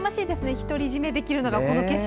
独り占めできるのが、この景色。